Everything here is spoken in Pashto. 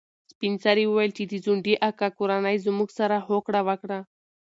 سپین سرې وویل چې د ځونډي اکا کورنۍ زموږ سره هوکړه وکړه.